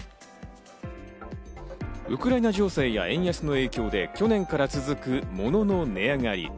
ウクライナ情勢や円安の影響で去年から続く、ものの値上がり。